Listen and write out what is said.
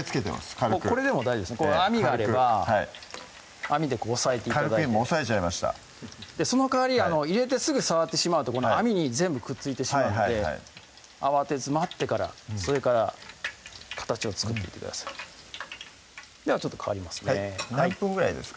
軽くこれでも大丈夫です網があれば網で押さえて頂いて軽く今押さえちゃいましたその代わり入れてすぐ触ってしまうとこの網に全部くっついてしまうので慌てず待ってからそれから形を作っていってくださいではちょっと代わりますね何分ぐらいですか？